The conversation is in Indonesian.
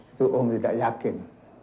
itu om tidak yakin